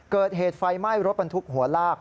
เกิดเหตุไฟไหม้รถบรรทุกหัวลาก